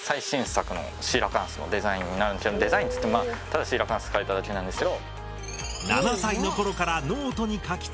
デザインっていってもまあただシーラカンス描いただけなんですけど。